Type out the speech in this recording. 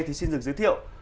thì xin được giới thiệu